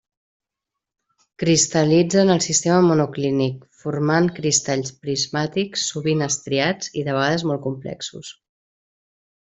Cristal·litza en el sistema monoclínic, formant cristalls prismàtics, sovint estriats, i de vegades molt complexos.